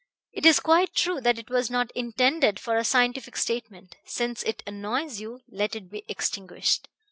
It is quite true that it was not intended for a scientific statement. Since it annoys you, let it be extinguished.